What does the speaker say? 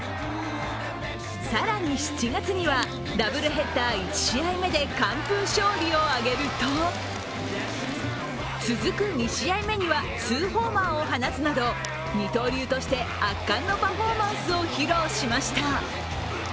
更に７月にはダブルヘッダー１試合目で完封勝利を挙げると、続く２試合目にはツーホーマーを放つなど、二刀流として圧巻のパフォーマンスを披露しました。